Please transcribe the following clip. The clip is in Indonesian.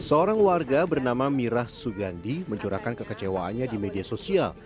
seorang warga bernama mirah sugandi mencurahkan kekecewaannya di media sosial